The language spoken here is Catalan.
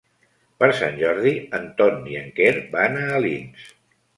Per Sant Jordi en Ton i en Quer van a Alins.